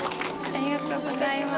おめでとうございます。